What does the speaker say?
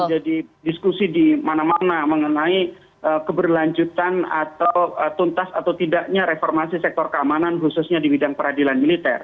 menjadi diskusi di mana mana mengenai keberlanjutan atau tuntas atau tidaknya reformasi sektor keamanan khususnya di bidang peradilan militer